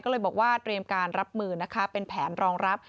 ก็เลยบอกว่าเตรียมการรับมือนะคะเป็นแผนรองรับ